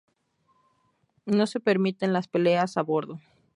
No se permiten las peleas a bordo.